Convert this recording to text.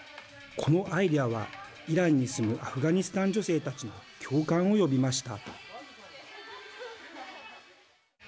このアイデアはイランに住むアフガニスタン女性たちの共感を呼びました。